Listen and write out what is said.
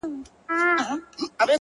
هغه نجلۍ چي هر ساعت به یې پوښتنه کول ـ